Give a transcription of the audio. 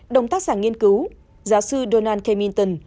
đồng tác giả nghiên cứu giáo sư donald kamington